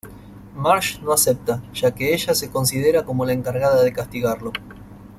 Marge no acepta, ya que ella se considera como la encargada de castigarlo.